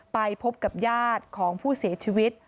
ไปพบกับญาติของผู้เสียชีวิต